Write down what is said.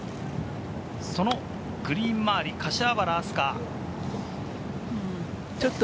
そのグリーン周り、柏原明日架。